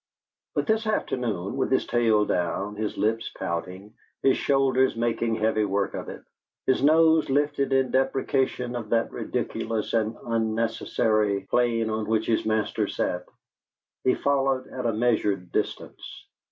But this afternoon, with his tail down, his lips pouting, his shoulders making heavy work of it, his nose lifted in deprecation of that ridiculous and unnecessary plane on which his master sat, he followed at a measured distance.